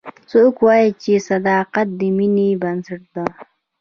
څوک وایي چې صداقت د مینې بنسټ ده